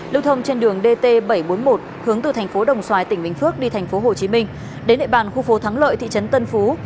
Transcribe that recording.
lưu thông trên đường dt bảy trăm bốn mươi một hướng từ thành phố đồng xoài tỉnh binh phước đi thành phố hồ chí minh đến địa bàn khu phố thắng lợi thị trấn tân phú